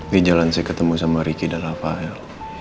di jalan saya ketemu sama ricky dan rafael